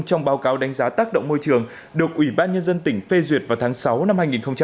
trong báo cáo đánh giá tác động môi trường được ủy ban nhân dân tỉnh phê duyệt vào tháng sáu năm hai nghìn một mươi chín